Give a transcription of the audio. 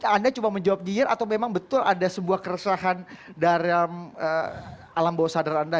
anda cuma menjawab nyinyir atau memang betul ada sebuah keresahan dalam alam bawah sadar anda